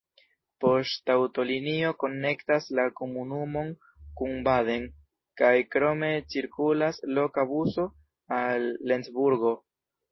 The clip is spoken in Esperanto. Poŝtaŭtolinio konektas la komunumon kun Baden, kaj krome cirkulas loka buso al Lencburgo.